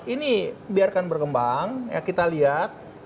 ini biarkan berkembang ya kita lihat